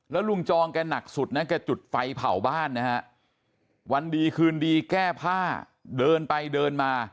แล้วลุงจองแกหนักสุดนะแกจุดไฟเผาบ้านนะฮะวันดีคืนดีแก้ผ้าเดินไปเดินมา